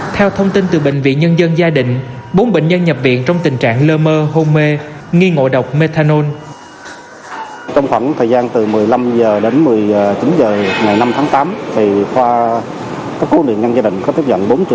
theo thông tin từ bệnh viện nhân dân gia định bốn bệnh nhân nhập viện trong tình trạng lơ mơ hôn mê